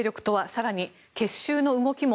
更に結集の動きも。